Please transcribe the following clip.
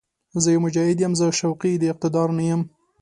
زه يو «مجاهد» یم، زه شوقي د اقتدار نه یم